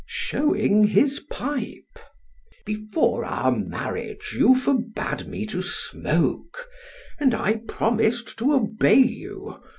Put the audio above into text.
(Showing his pipe.) "Before our marriage, you forbade me to smoke, and I promised to obey you.